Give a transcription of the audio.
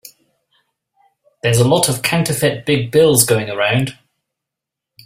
There's a lot of counterfeit big bills going around.